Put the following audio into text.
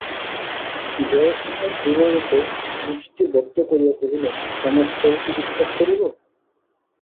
জয়সিংহ দৃঢ়রূপে মুষ্টি বদ্ধ করিয়া কহিলেন, সমস্তই কি বিশ্বাস করিব?